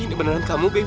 ini beneran kamu baby